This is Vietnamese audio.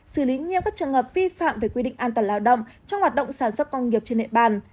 xử lý nghiêm các trường hợp vi phạm về quy định an toàn lao động trong hoạt động sản xuất công nghiệp trên địa bàn